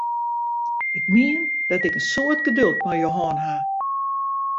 Ik mien dat ik in soad geduld mei jo hân ha!